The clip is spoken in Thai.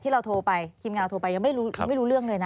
เราโทรไปทีมงานโทรไปยังไม่รู้เรื่องเลยนะ